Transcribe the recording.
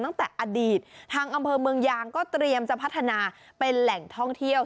ตั้งแต่อดีตทางอำเภอเมืองยางก็เตรียมจะพัฒนาเป็นแหล่งท่องเที่ยว